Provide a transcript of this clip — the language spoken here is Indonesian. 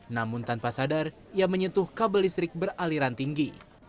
namun tanpa sadar ia menyentuh kabel listrik beraliran tinggi